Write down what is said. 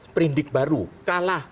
perindik baru kalah